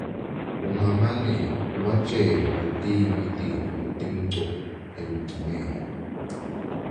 Ungamane ubatjele letinye tintfo letimcoka ekugcineni.